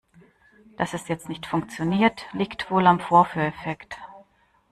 Dass es jetzt nicht funktioniert, liegt wohl am Vorführeffekt.